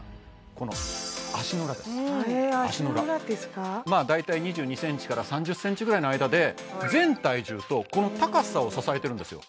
この足の裏ですへ足の裏ですかまあ大体２２ｃｍから３０ｃｍぐらいの間で全体重とこの高さを支えているんですよ